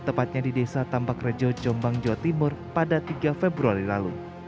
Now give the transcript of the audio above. tepatnya di desa tambak rejo jombang jawa timur pada tiga februari lalu